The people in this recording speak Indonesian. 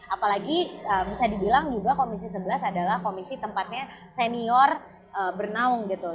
apalagi bisa dibilang juga komisi sebelas adalah komisi tempatnya senior bernaung gitu